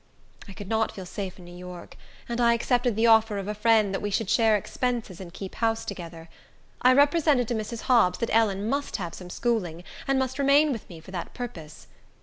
I could not feel safe in New York, and I accepted the offer of a friend, that we should share expenses and keep house together. I represented to Mrs. Hobbs that Ellen must have some schooling, and must remain with me for that purpose.